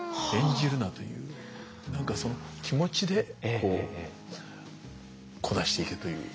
何かその気持ちでこうこなしていけという。